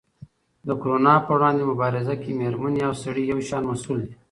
د کرونا په وړاندې مبارزه کې مېرمنې او سړي یو شان مسؤل دي.